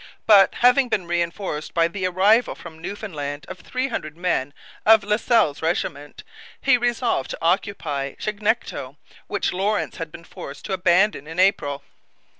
But, having been reinforced by the arrival from Newfoundland of three hundred men of Lascelles's regiment, he resolved to occupy Chignecto, which Lawrence had been forced to abandon in April.